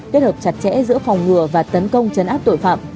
kết hợp chặt chẽ giữa phòng ngừa và tấn công chấn áp tội phạm